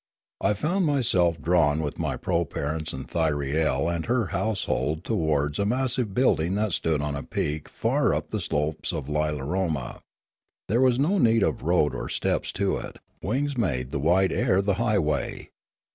I found myself drawn with my proparents and Thyriel and her household towards a massive building that stood upon a peak far up the slopes of Lilaroma. There was no need of road or steps to it; wings made the wide air the highway.